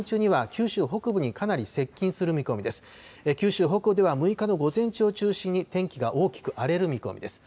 九州北部では６日の午前中を中心に天気が大きく荒れる見込みです。